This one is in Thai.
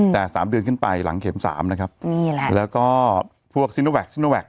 แต่๓เดือนขึ้นไปหลังเข็ม๓นะครับแล้วก็พวกซิโนแวคซิโนแวค